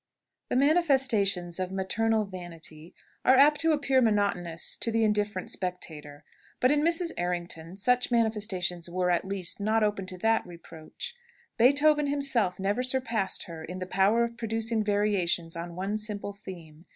The manifestations of maternal vanity are apt to appear monotonous to the indifferent spectator; but, in Mrs. Errington such manifestations were, at least, not open to that reproach. Beethoven himself never surpassed her in the power of producing variations on one simple theme.